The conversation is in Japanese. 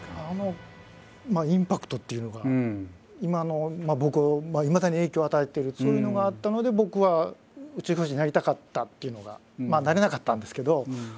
あのインパクトっていうのが今の僕いまだに影響を与えてるそういうのがあったので僕は宇宙飛行士になりたかったっていうのがまあなれなかったんですけど。